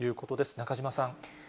中島さん。